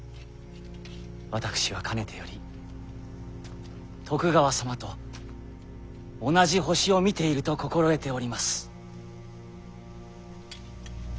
私はかねてより徳川様と同じ星を見ていると心得ております。